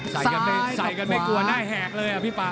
ใส่กันไม่กลัวหน้าแหกเลยอ่ะพี่ป่า